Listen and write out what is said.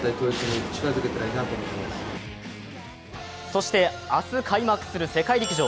そして明日開幕する世界陸上。